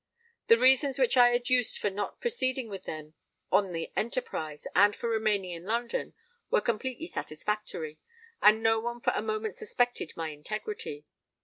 The reasons which I adduced for not proceeding with them on the enterprise, and for remaining in London, were completely satisfactory; and no one for a moment suspected my integrity.